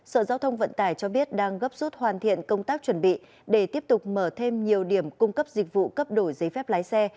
sở giao thông vận tải cho biết đang gấp rút hoàn thiện công tác chuẩn bị để tiếp tục mở thêm nhiều điểm cung cấp dịch vụ cấp đổi giấy phép lái xe